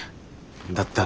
だったら。